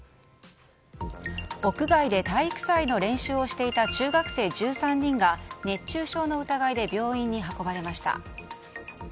屋外で体育祭の練習をしていた中学生１３人が熱中症の疑いで病院に運ばれました。